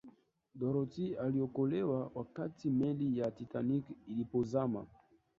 dorothy aliokolewa wakati meli ya titanic ilipozama